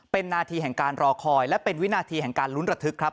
เป็นนาทีแห่งการรอคอยและเป็นวินาทีแห่งการลุ้นระทึกครับ